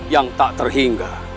yang tak terhingga